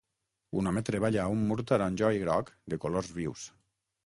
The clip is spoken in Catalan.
Un home treballa a un mur taronja i groc de colors vius.